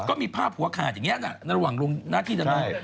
ก็มีภาพหัวขาดอย่างนี้ระหว่างลมน้าที่จะนู่น